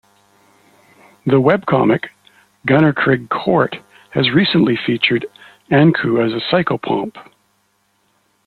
The webcomic "Gunnerkrigg Court" has recently featured Ankou as a psychopomp.